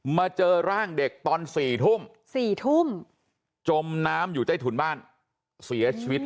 มาเจอร่างเด็กตอน๔ทุ่ม๔ทุ่มจมน้ำอยู่ใต้ถุนบ้านเสียชีวิต